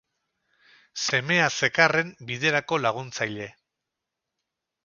Semea zekarren biderako laguntzaile.